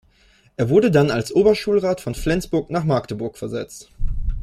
Er wurde dann als Oberschulrat von Flensburg nach Magdeburg versetzt.